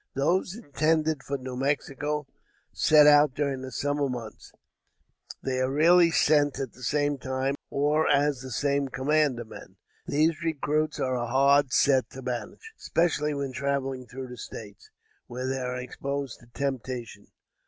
Those intended for New Mexico set out during the summer months. They are rarely sent at the same time, or as the same command of men. These recruits are a hard set to manage, especially when traveling through the States, where they are exposed to temptation.